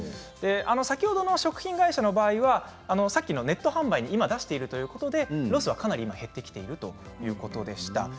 先ほどの食品会社の場合はネット販売に出しているということでロスはかなり減ってきているということです。